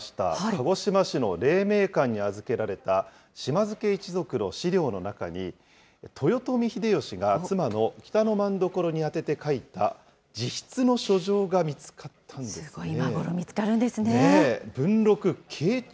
鹿児島市の黎明館に預けられた、島津家一族の資料の中に、豊臣秀吉が妻の北政所に宛てて書いた自筆の書状が見つかったんですごい、今頃見つかるんですね。